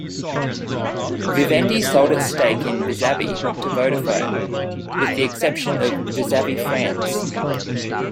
Vivendi sold its stake in Vizzavi to Vodafone, with the exception of Vizzavi France.